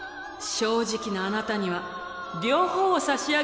正直なあなたには両方を差し上げましょう。